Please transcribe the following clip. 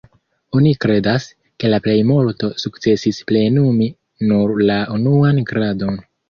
Oni kredas, ke la plejmulto sukcesis plenumi nur la "unuan gradon".